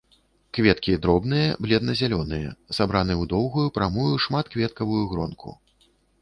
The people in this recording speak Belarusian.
Кветкі дробныя, бледна-зялёныя, сабраны ў доўгую прамую шматкветкавую гронку.